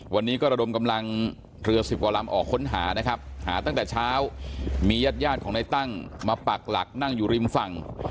วันนี้ก็ระดมกำลังเรือสิบกว่าลำออกค้นหานะครับหาตั้งแต่เช้ามีญาติญาติของในตั้งมาปักหลักนั่งอยู่ริมฝั่ง